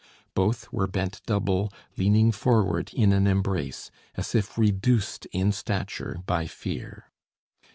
Both were bent double, leaning forward in an embrace, as if reduced in stature by fear.